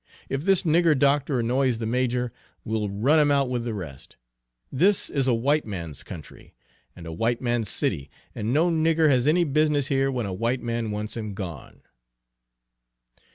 If this nigger doctor annoys the major, we'll run him out with the rest. This is a white man's country, and a white man's city, and no nigger has any business here when a white man wants him gone!"